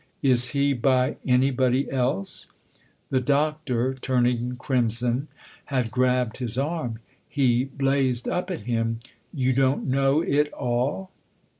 " Is he by anybody else ?" The Doctor, turning crimson, had grabbed his arm ; he blazed up at him. " You don't know it all